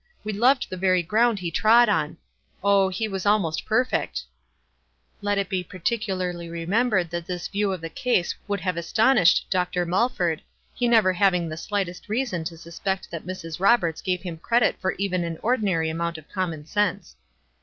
We loved the very ground he trod on. Oh, he was almost perfect." (N. B. Let it be partic ularly remembered that this view of the case would have astonished Dr. Muiford, he never having the slightest reason to suspect that Mrs. Roberts gave him credit for even an ordinary amount of common sense.)